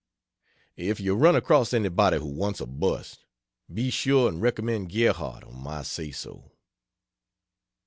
If you run across anybody who wants a bust, be sure and recommend Gerhardt on my say so.